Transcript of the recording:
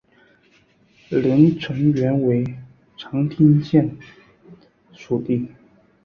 连城原为长汀县属地。